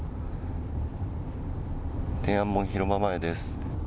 天安門広場前です。